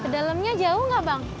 kedalamnya jauh gak bang